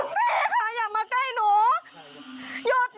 พี่คะอย่ามาใกล้หนูหยุดอยู่ตรงนั้น